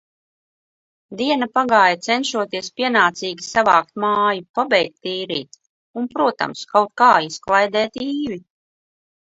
Diena pagāja, cenšoties pienācīgi savākt māju, pabeigt tīrīt. Un protams, kaut ka izklaidēt Īvi.